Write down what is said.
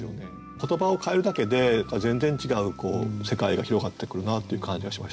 言葉を変えるだけで全然違う世界が広がってくるなという感じはしましたね。